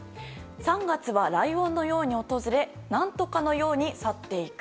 ３月はライオンのように訪れ何とかのように去っていく。